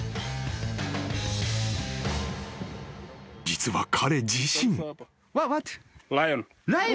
［実は彼自身］